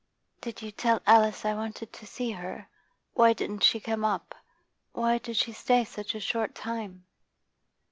'Did you tell Alice I wanted to see her? Why didn't she come up? Why did she stay such a short time?